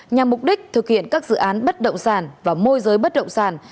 nhằm mục đích thực hiện các dự án bất động sản và môi giới bất động sản